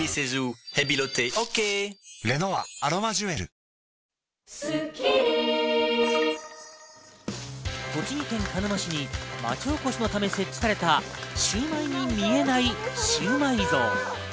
シウマイ像に栃木県鹿沼市に町おこしのため設置されたシウマイに見えないシウマイ像。